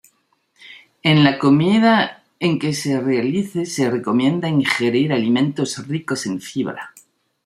En la comida en que se realice se recomienda ingerir alimentos ricos en fibra.